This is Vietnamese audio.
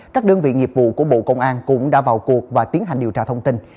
các đơn vị nghiệp vụ của bộ công an cũng đã vào cuộc và tiến hành điều tra thông tin